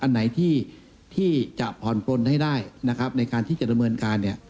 อันไหนที่จะผ่อนปลนให้ได้นะครับในการที่จะดำเนินการเนี่ย